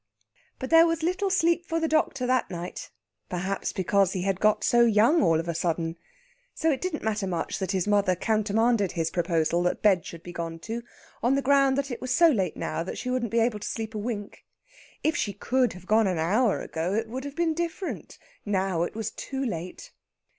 But there was little sleep for the doctor that night, perhaps because he had got so young all of a sudden. So it didn't matter much that his mother countermanded his proposal that bed should be gone to, on the ground that it was so late now that she wouldn't be able to sleep a wink. If she could have gone an hour ago it would have been different. Now it was too late.